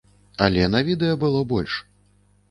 Але на відэа было больш.